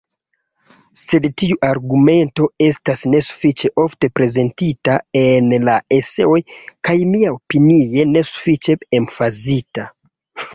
Sed tiu argumento estas nesufiĉe ofte prezentita en la eseoj, kaj, miaopinie, nesufiĉe emfazita.